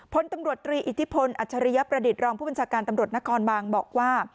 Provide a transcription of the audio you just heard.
พลตำรวจตรีอิทธิพลอัจฉริยประดิษฐ์รองผู้บัญชาการตำรวจนครบานบอกว่า